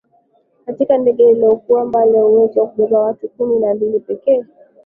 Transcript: katika ndege iliyokuwa na uwezo wa kuwabeba watu kumi na mbili pekee